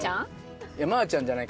まぁちゃんじゃない。